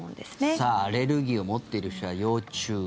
さあ、アレルギーを持っている人は要注意。